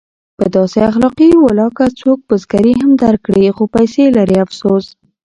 په داسې اخلاقو ولاکه څوک بزګري هم درکړي خو پیسې لري افسوس!